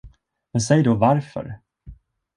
Men säg då, varför!